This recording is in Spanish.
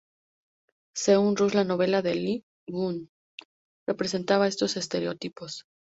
Según Russ, la novela de Le Guin representaba estos estereotipos.